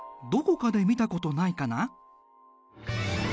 どこかで見たことないかな？